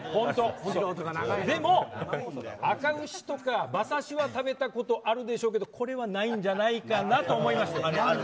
でも、赤牛とか馬刺しは食べたことあるでしょうけどこれはないんじゃないかなと思います。